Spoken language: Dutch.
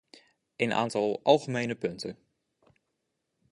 Een aantal algemene punten.